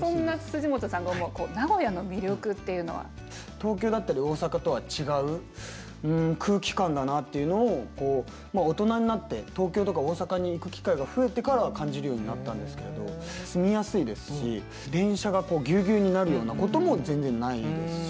東京だったり大阪とは違う空気感だなっていうのを大人になって東京とか大阪に行く機会が増えてから感じるようになったんですけれど住みやすいですし電車がぎゅうぎゅうになるようなことも全然ないですし。